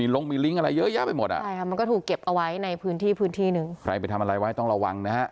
แล้วก็ปฏิบัติหน้าที่โดยไม่ชอบครับ